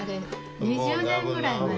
２０年ぐらい前？